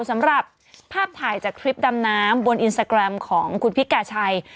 สำหรับภาพถ่ายจากคลิปดำน้ำบนอินสตาแกรมของคุณพิกาชัย